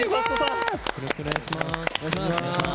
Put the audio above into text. よろしくお願いします。